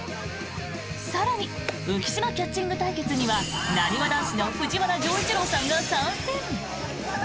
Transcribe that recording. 更に、浮島キャッチング対決にはなにわ男子の藤原丈一郎さんが参戦！